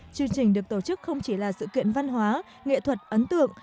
chương trình được tổ chức không chỉ là sự kiện văn hóa nghệ thuật ấn tượng